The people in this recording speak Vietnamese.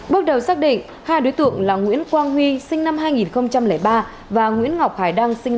bước đầu xác định hai đối tượng là nguyễn quang huy sinh năm hai nghìn ba và nguyễn ngọc hải đăng sinh